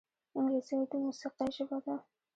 انګلیسي د موسیقۍ ژبه ده